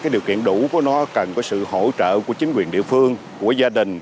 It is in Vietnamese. điều kiện đủ của nó cần có sự hỗ trợ của chính quyền địa phương của gia đình